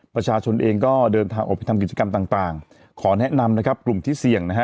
ประชาชนเองก็เดินทางออกไปทำกิจกรรมต่างขอแนะนำนะครับกลุ่มที่เสี่ยงนะฮะ